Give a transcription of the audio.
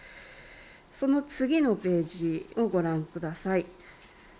その次のページをご覧ください。